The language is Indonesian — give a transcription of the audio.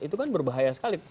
itu kan berbahaya sekali